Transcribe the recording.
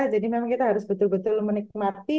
memang kita harus betul betul menikmati